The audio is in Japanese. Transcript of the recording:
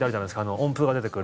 温風が出てくる。